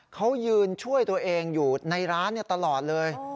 เขายืนช่วยตัวเองอยู่ในร้านตลอดเลย